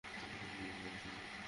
কি দরকার বল?